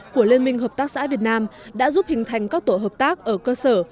của liên minh hợp tác xã việt nam đã giúp hình thành các tổ hợp tác ở cơ sở